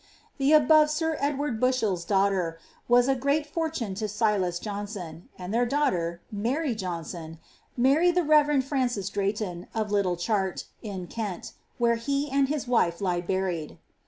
The above sir Edward Bushers daughter was a great fortune to Silas Johnson; and their daughter, Mary Johnson^ married the rev. Francis Drayton, of Little Chart, in Kent, whore he and his wife lie buried."